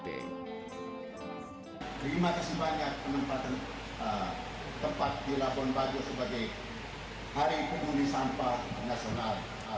terima kasih banyak penempatan tempat di labuan bajo sebagai hari penghuni sampah nasional